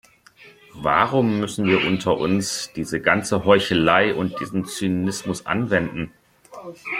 Warum müssen wir unter uns diese ganze Heuchelei und diesen Zynismus anwenden?